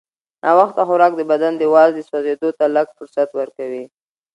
ناوخته خوراک د بدن د وازدې سوځېدو ته لږ فرصت ورکوي.